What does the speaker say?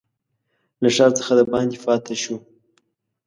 له ښار څخه دباندي پاته شو.